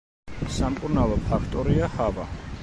სამკურნალო ფაქტორია ჰავა.